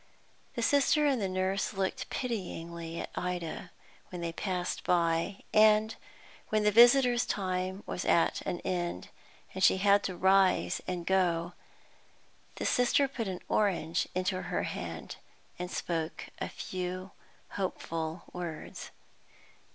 The Sister and the nurse looked pityingly at Ida when they passed by, and, when the visitors' time was at an end, and she had to rise and go, the Sister put an orange into her hand, and spoke a few hopeful words.